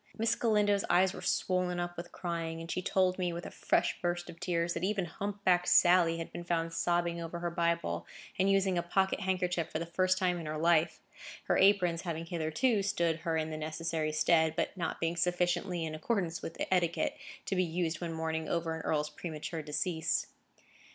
Miss Galindo's eyes were swollen up with crying, and she told me, with a fresh burst of tears, that even hump backed Sally had been found sobbing over her Bible, and using a pocket handkerchief for the first time in her life; her aprons having hitherto stood her in the necessary stead, but not being sufficiently in accordance with etiquette to be used when mourning over an earl's premature decease.